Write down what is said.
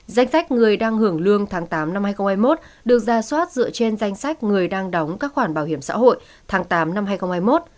danh sách người đang hưởng lương tháng tám năm hai nghìn hai mươi một được ra soát dựa trên danh sách người đang đóng các khoản bảo hiểm xã hội tháng tám năm hai nghìn hai mươi một